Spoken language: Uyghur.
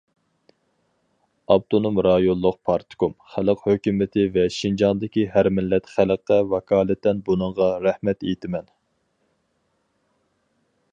ئاپتونوم رايونلۇق پارتكوم، خەلق ھۆكۈمىتى ۋە شىنجاڭدىكى ھەر مىللەت خەلققە ۋاكالىتەن بۇنىڭغا رەھمەت ئېيتىمەن.